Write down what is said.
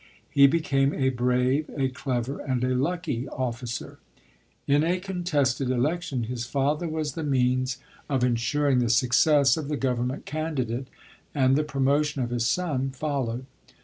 He b came a brave, a clever, and a lucky officer. In a contested election, his father was the means b 2 4 LODORK. of insuring the success of the government candi date, and the promotion of his son followed.